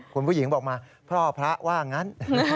คุณผู้หญิงบอกมาพ่อพระว่างั้น